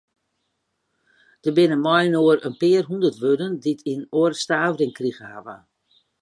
Der binne mei-inoar in pear hûndert wurden dy't in oare stavering krigen hawwe.